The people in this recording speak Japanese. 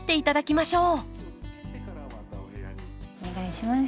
お願いします。